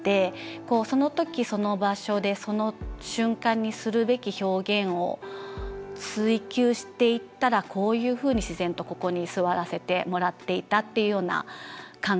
その時その場所でその瞬間にするべき表現を追求していったらこういうふうに自然とここに座らせてもらっていたっていうような感覚。